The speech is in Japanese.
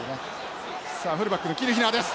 さあフルバックのキルヒナーです。